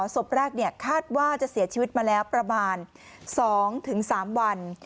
ศพแรกคาดว่าจะเสียชีวิตมาแล้วประมาณ๒๓วัน